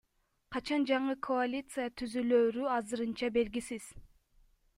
Качан жаңы коалиция түзүлөөрү азырынча белгисиз.